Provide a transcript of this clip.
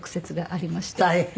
大変。